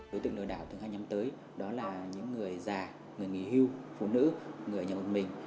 đối tượng lừa đảo thứ hai nhắm tới đó là những người già người nghỉ hưu phụ nữ người ở nhà một mình